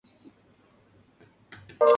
Aún hoy una calle recuerda su nombre.